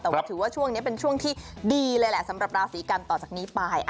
แต่ว่าถือว่าช่วงนี้เป็นช่วงที่ดีเลยแหละสำหรับราศีกันต่อจากนี้ไป